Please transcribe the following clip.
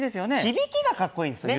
響きがかっこいいですよ。